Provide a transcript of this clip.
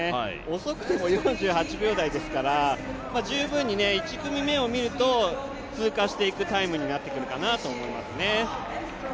遅くとも４８秒台ですから、十分に１組目を見ると通過していくタイムになってくるかなと思いますね。